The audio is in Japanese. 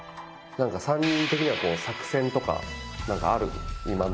なんか３人的には作戦とか何かあるの？